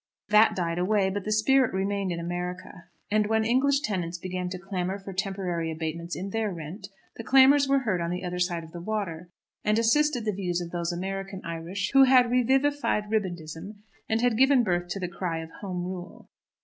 That died away, but the spirit remained in America; and when English tenants began to clamour for temporary abatements in their rent, the clamours were heard on the other side of the water, and assisted the views of those American Irish who had revivified Ribandism and had given birth to the cry of Home Rule.